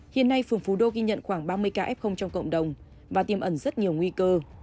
hiện nay phường phú đô ghi nhận khoảng ba mươi ca f trong cộng đồng và tiêm ẩn rất nhiều nguy cơ